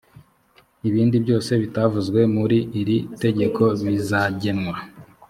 ibindi byose bitavuzwe muri iri tegeko bizagenwa